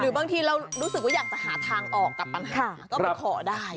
บางทีเรารู้สึกว่าอยากจะหาทางออกกับปัญหาก็ไปขอได้